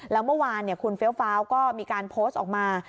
แล้วเมื่อวานคุณเฟี้ยวฟ้าวก็มีการโพสต์ออกมา